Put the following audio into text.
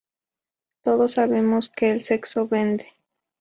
Todos sabemos que el sexo vende".